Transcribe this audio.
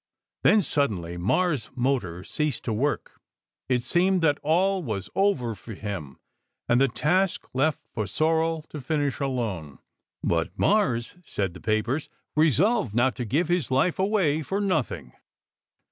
Then suddenly Mars motor ceased to work. It seemed that all was over for him, and the task left for Sorel to finish alone. But Mars, said the papers, resolved not to give his life away for nothing.